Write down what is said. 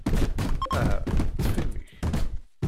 Aha, ṭṭef imi-k!